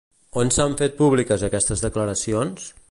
On s'han fet públiques aquestes declaracions?